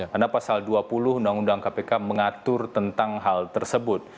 karena pasal dua puluh undang undang kpk mengatur tentang hal tersebut